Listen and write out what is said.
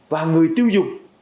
và người tiêu dùng